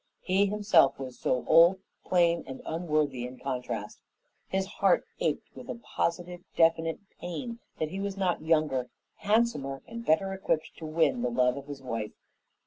He himself was so old, plain, and unworthy in contrast. His heart ached with a positive, definite pain that he was not younger, handsomer, and better equipped to win the love of his wife.